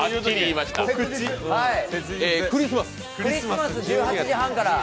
クリスマス１８時半から。